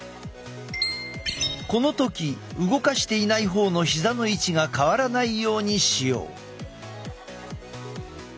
この時動かしていない方の膝の位置が変わらないようにしよう。